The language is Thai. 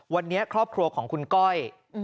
วันนี้ครอบครัวของคุณก้อย